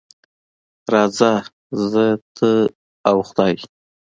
راځه زه، ته او خدای.